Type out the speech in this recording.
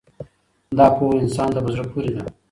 دا پوهه انسان ته په زړه پورې ده.